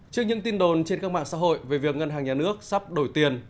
trước những tin đồn trên các mạng xã hội về việc ngân hàng nhà nước sắp đổi tiền